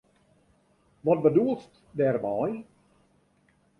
Wat bedoelst dêrmei?